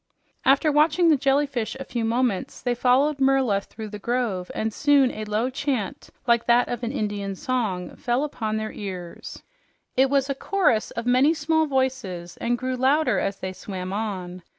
After watching the jellyfish a few moments, they followed Merla through the grove, and soon a low chant, like that of an Indian song, fell upon their ears. It was a chorus of many small voices and grew louder as they swam on.